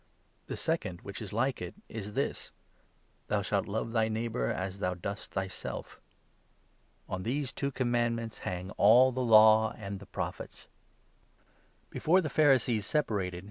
The second, which 38, is like it, is this —' Thou shalt love thy neighbour as thou dost thyself.' On these two commandments hang all the Law and the 40 Prophets." * Deut. 35. 5. 33 Exod.